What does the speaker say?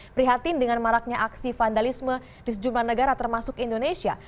prihatin dengan maraknya aksi vandalisme di sejumlah negara termasuk indonesia